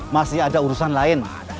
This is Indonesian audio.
masih ada urusan lain